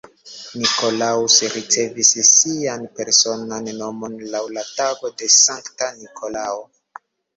Nikolaus ricevis sian personan nomon laŭ la tago de Sankta Nikolao.